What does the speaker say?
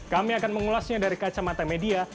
kami akan mengulasnya dari kacamata media